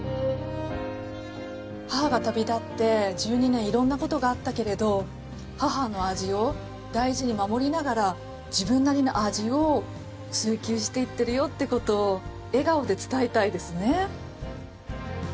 母が旅立って１２年色んな事があったけれど母の味を大事に守りながら自分なりの味を追求していってるよって事を笑顔で伝えたいですね。